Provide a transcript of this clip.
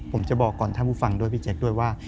ผมจะบอกก่อนท่านผู้ฟังด้วยพี่แจ๊คด้วยว่า